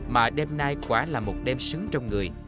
mà đêm nay quả là một đêm xứng trong người